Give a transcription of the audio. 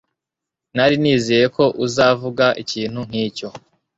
Nari nizeye ko uzavuga ikintu nkicyo